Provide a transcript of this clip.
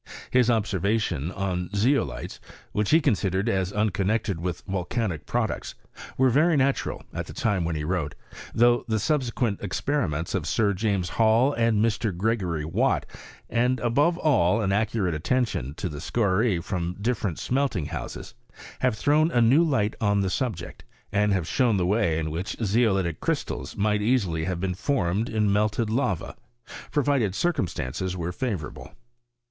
His Dbse^■ vations on zeolites, which he considered as uncon nected with volcanic products, were very natural at the time when he wrote : though the subsequent ex periments of Sh James Hall, and Mr. Gregory Watt, and, above all, an accurate attention to the scaiiB from different smcl ting houses, have thrown a new light on the subject, and have shown the way in PaOG&CfS Of CHEMISTi^T UT SWEDEN. 61 vhich zeolitic crystals might easily have been formed m, melted lava, provided circumstances were favour^ able.